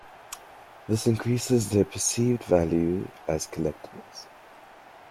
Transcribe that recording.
This increases their perceived value as collectibles.